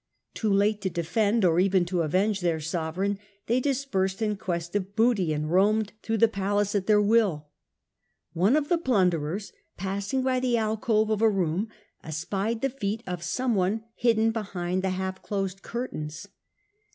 Too late to defend or even to avenge their sovereign, they dispersed in quest of booty, and roamed But the sol through the palace at their will. One of the djers meaa ,, 111 r time had plunderers passing by the alcove of a room found espied the feet of some one hidden behind the half closed curtains.